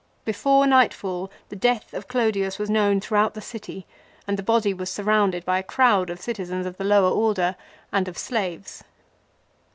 Before nightfall the death of Clodius was known through the city and the body was surrounded by a crowd of citizens of the lower order and of slaves.